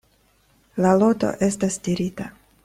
La loto estas tirita.